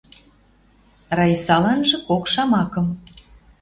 Раисаланжы кок шамакым: